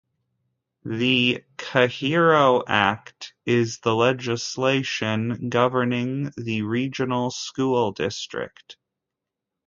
The Chariho Act is the legislation governing the regional school district.